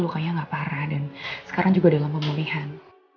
lukanya nggak parah dan sekarang juga dalam pemulihan